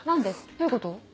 どういうこと？